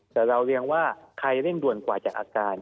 แต่เราเรียงว่าใครเร่งด่วนกว่าจากอาการ